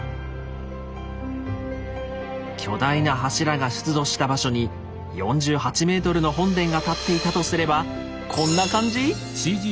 巨大な柱が出土した場所に４８ｍの本殿が立っていたとすればこんな感じ？